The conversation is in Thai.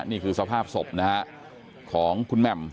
นี่คือสภาพศพนะฮะของคุณแหม่ม